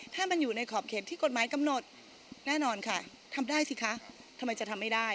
ถ้ามันอยู่ในขอบเขตที่กฎหมายกำหนดแน่นอนค่ะทำได้สิคะทำไมจะทำไม่ได้